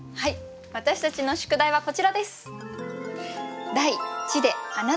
私たちの宿題はこちらです。